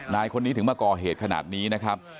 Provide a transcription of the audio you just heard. นายคนนี้ถึงมาก่อเหตุขนาดนี้นะครับ